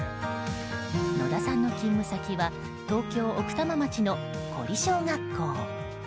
野田さんの勤務先は東京・奥多摩町の古里小学校。